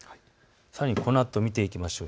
さらにこのあと見ていきましょう。